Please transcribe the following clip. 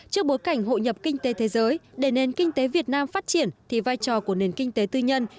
trước bối cảnh hội nhập kinh tế thế giới để nền kinh tế việt nam phát triển thì vai trò của nền kinh tế tư nhân